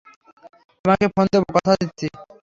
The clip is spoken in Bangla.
তোমাকে ফোন দেব, কথা দিচ্ছি।